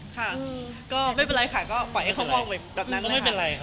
ค่ะก็ไม่เป็นไรค่ะก็ปล่อยให้เขามองไว้ตอนนั้น